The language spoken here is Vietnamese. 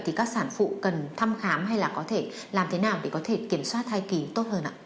thì các sản phụ cần thăm khám hay là có thể làm thế nào để có thể kiểm soát thai kỳ tốt hơn ạ